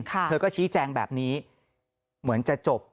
เธอก็ชี้แจงแบบนี้เหมือนจะจบ